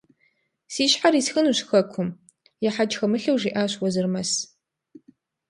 Си щхьэр исхынущ хэкум! – ехьэкӀ хэмылъу жиӀащ Уэзырмэс.